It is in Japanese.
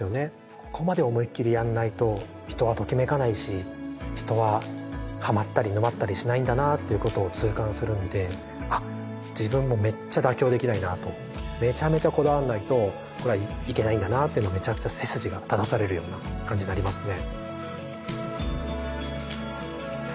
ここまで思いっきりやんないと人はときめかないし人はハマったり沼ったりしないんだなということを痛感するので自分もめっちゃ妥協できないなとめちゃめちゃこだわんないとこれはいけないんだなってのをめちゃくちゃ背筋が正されるような感じになりますね